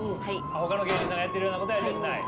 ほかの芸人さんがやってるようなことはやりたくない？